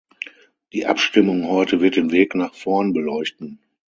Die Abstimmung heute wird den Weg nach vorn beleuchten.